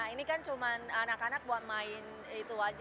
ini kan cuma anak anak buat main itu aja